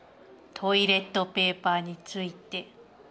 トイレットペーパーについて。